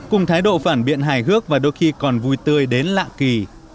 cùng thái độ phản biện hài hước và đôi khi còn vui tươi đến lạ kỳ